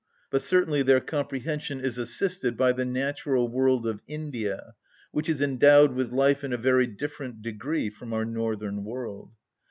But certainly their comprehension is assisted by the natural world of India, which is endowed with life in a very different degree from our northern world.